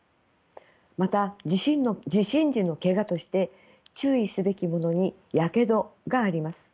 また地震時のけがとして注意すべきものにやけどがあります。